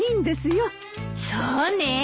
そうねえ。